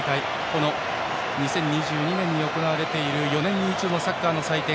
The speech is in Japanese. この２０２２年に行われている４年に一度のサッカーの祭典